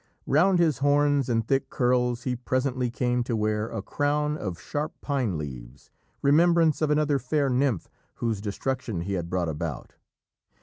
Round his horns and thick curls he presently came to wear a crown of sharp pine leaves, remembrance of another fair nymph whose destruction he had brought about.